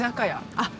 あっ！